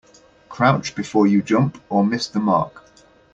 Crouch before you jump or miss the mark.